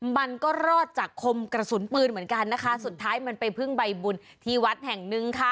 มันก็รอดจากคมกระสุนปืนเหมือนกันนะคะสุดท้ายมันไปพึ่งใบบุญที่วัดแห่งหนึ่งค่ะ